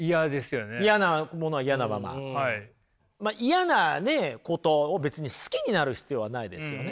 嫌なねことを別に好きになる必要はないですよね。